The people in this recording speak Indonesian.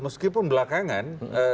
meskipun belakangan terlihat